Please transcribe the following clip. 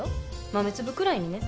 豆粒くらいにね。